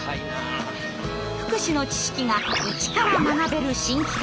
福祉の知識がイチから学べる新企画！